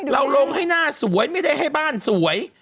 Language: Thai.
ลงให้หน้าสวยไม่ได้ให้บ้านสวย